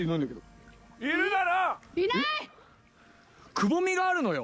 くぼみがあるのよ